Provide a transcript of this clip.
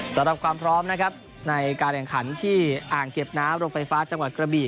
สำหรับความพร้อมนะครับในการแข่งขันที่อ่างเก็บน้ำโรงไฟฟ้าจังหวัดกระบี่